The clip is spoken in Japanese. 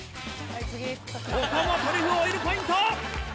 ここもトリュフオイルポイント！